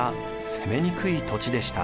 攻めにくい土地でした。